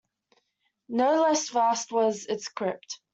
No less vast was its crypt.